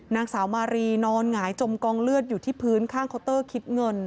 นางสาวมารีนอนหงายจมกองเลือดอยู่ที่พื้นข้างเคาน์เตอร์คิดเงิน